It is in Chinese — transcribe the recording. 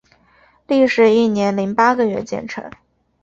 历时一年零八个月建成。